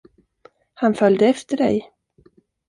Han följde efter dig.